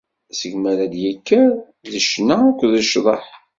Seg mi ara ad d-tekker d ccna akked cḍeḥ.